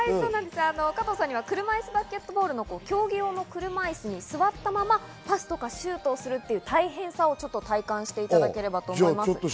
加藤さんには車いすバスケットボールの競技用車いすに座ったまま、パスやシュートをする大変さを体感していただきたいと思います。